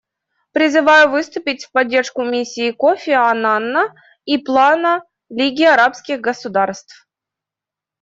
Призываю выступить в поддержку миссии Кофи Аннана и плана Лиги арабских государств.